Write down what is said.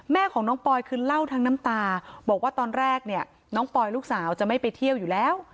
แม่ของน้องปอยคือเล่าทั้งน้ำตาบอกว่าตอนแรกเนี่ยน้องปอยลูกสาวจะไม่ไปเที่ยวอยู่แล้ว